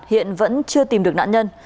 hiện vẫn chưa tìm được nạn nhân